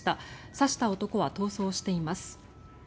刺した男は逃走しています。